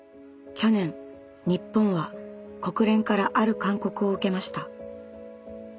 去年日本は国連からある勧告を受けました。